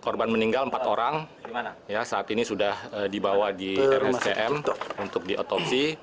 korban meninggal empat orang saat ini sudah dibawa di rscm untuk diotopsi